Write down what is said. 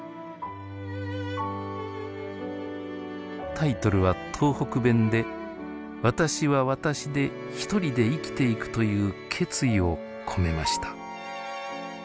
タイトルは東北弁で「私は私でひとりで生きていく」という決意を込めました。